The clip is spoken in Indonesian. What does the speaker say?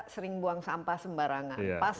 sering buang sampah sembarangan pas